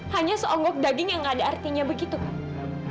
hanya seonggok daging yang gak ada artinya begitu kak